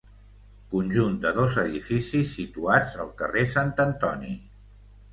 Conjunt de dos edificis situats al carrer Sant Antoni.